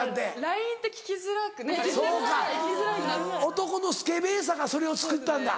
男のスケベさがそれをつくったんだ。